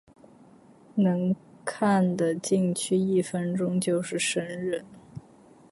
能看的进去一分钟就是神人